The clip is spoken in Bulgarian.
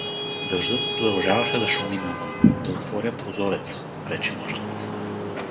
Дъждът продължаваше да шуми навън. — Да отворя прозореца — рече мъжът.